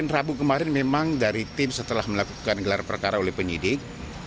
rabu kemarin memang dari tim setelah melakukan gelar perkara oleh penyidik